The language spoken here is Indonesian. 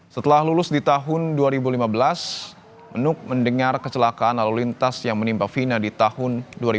setelah lulus di tahun dua ribu lima belas nuk mendengar kecelakaan lalu lintas yang menimpa fina di tahun dua ribu tujuh belas